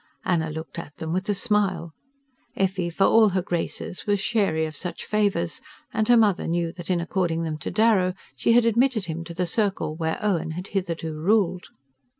Anna looked at them with a smile. Effie, for all her graces, was chary of such favours, and her mother knew that in according them to Darrow she had admitted him to the circle where Owen had hitherto ruled.